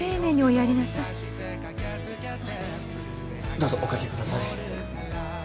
どうぞお掛けください。